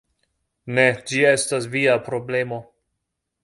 Ne, ĝi estas via problemo